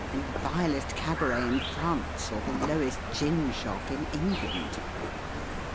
[Condurted by the vilest cabaret in France, or t lie lowest gin shop in England.